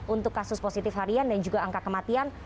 untuk kasus positif harian dan juga angka kematian